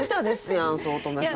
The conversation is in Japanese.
やん五月女さん。